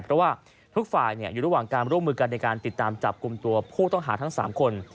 เพราะว่าทุกฝ่ายอยู่ระหว่างการร่วมมือกันในการติดตามจับกลุ่มตัวผู้ต้องหาทั้ง๓คน